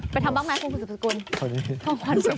ไปทำบ้างไหมคุณผู้ชมสบาย